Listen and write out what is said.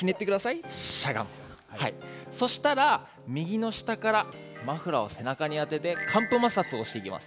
そうしたら右の下からマフラーを背中に当てて乾布摩擦をしていきます。